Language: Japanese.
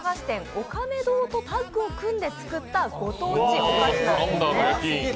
お亀堂とタッグを組んで作ったご当地お菓子なんです。